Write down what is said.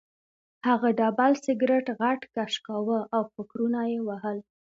هغه ډبل سګرټ غټ کش کاوه او فکرونه یې وهل